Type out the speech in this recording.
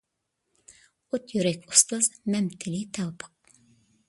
ئوت يۈرەك ئۇستاز مەمتىلى تەۋپىق.